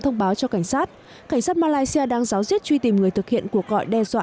thông báo cho cảnh sát cảnh sát malaysia đang giáo diết truy tìm người thực hiện cuộc gọi đe dọa